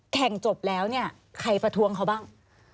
จบแล้วเนี่ยใครประท้วงเขาบ้าง